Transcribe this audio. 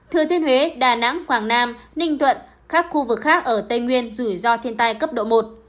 thừa thiên huế đà nẵng quảng nam ninh thuận các khu vực khác ở tây nguyên rủi ro thiên tai cấp độ một